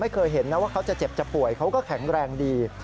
เคยเห็นนะว่าเขาจะเจ็บจะป่วยเขาก็แข็งแรงดี